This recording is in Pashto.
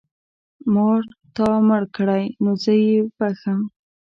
مار تا مړ کړی نو زه یې بښم.